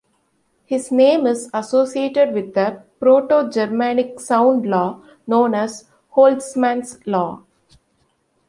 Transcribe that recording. His name is associated with a Proto-Germanic sound law known as Holtzmann's Law.